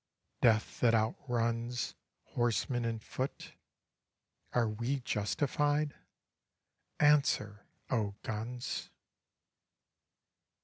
_ Death that outruns _Horseman and foot? Are we justified? Answer, O guns!